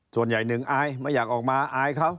ส่วนใหญ่หนึ่งอายไม่อยากออกมาอายเขา